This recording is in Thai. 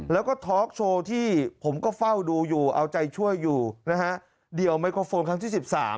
แล้วก็ทอล์กโชว์ที่ผมก็เฝ้าดูอยู่เอาใจช่วยอยู่นะฮะเดี่ยวไมโครโฟนครั้งที่๑๓